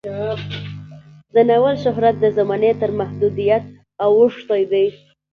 د ناول شهرت د زمانې تر محدودیت اوښتی دی.